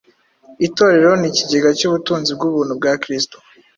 Itorero ni ikigega cy’ubutunzi bw’ubuntu bwa Kristo;